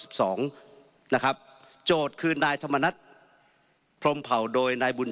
สองนะครับโจทย์คือนายธรรมนัฐพรมเผาโดยนายบุญ